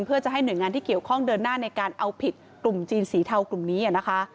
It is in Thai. เพื่อจะให้หน่วยงานที่เกี่ยวข้องเดินหน้าในการเอาผิดกลุ่มจีนสีเทากลุ่มนี้นะคะ